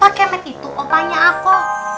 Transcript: pak kemet itu otaknya aku